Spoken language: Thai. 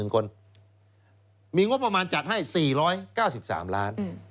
คนมีงบประมาณจัดให้๔๙๓ล้าน